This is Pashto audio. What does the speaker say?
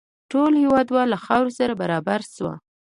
ټول هېواد له خاورو سره برابر شو.